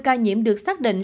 ba mươi ca nhiễm được xác định